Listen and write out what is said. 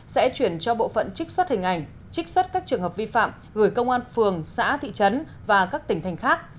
sẽ chuyển cho bộ phận trích xuất hình ảnh trích xuất các trường hợp vi phạm gửi công an phường xã thị trấn và các tỉnh thành khác